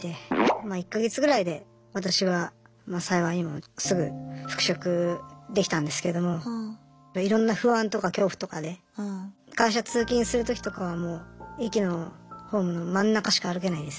まあ１か月ぐらいで私は幸いにもすぐ復職できたんですけれどもいろんな不安とか恐怖とかで会社通勤するときとかはもう駅のホームの真ん中しか歩けないです。